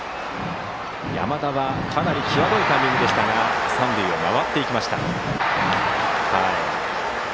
山田はかなり際どいタイミングでしたが三塁を回っていきました。